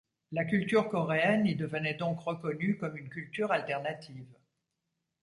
La culture coréenne y devenait donc reconnue comme une culture alternative.